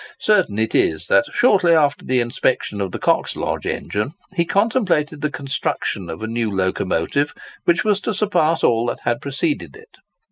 Certain it is, that, shortly after the inspection of the Coxlodge engine, he contemplated the construction of a new locomotive, which was to surpass all that had preceded it.